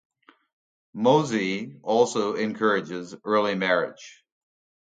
Mozi also encourages early marriage.